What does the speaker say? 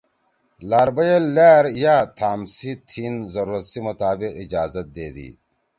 لار بئیل لأر یا تھام سی تھین ضرورت سی مطابق اجازت دے دی ۔